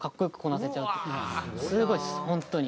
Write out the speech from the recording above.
すごいです本当に。